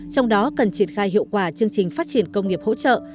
trong đó cần triển khai hiệu quả chương trình phát triển công nghiệp hỗ trợ